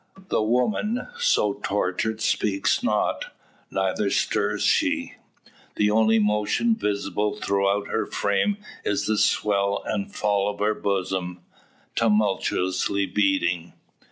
The woman, so tortured speaks not; neither stirs she. The only motion visible throughout her frame is the swell and fall of her bosom tumultuously beating.